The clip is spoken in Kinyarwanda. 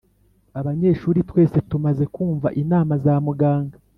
Abanyeshuri twese tumaze kumva inama za muganga